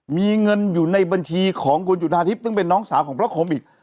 มีเงินอยู่ในบัญชีของคุณจุธาทิพย์ซึ่งเป็นน้องสาวของพระคมอีก